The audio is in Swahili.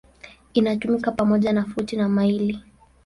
Inatumika pamoja na futi na maili.